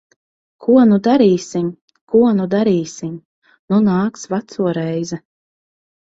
Ko nu darīsim? Ko nu darīsim? Nu nāks veco reize.